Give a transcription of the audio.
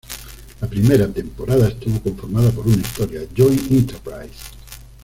La primera temporada estuvo conformada por una historia, "Joint Enterprise".